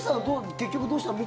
結局どうしたの？